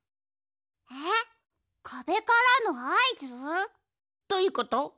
えっかべからのあいず？どういうこと？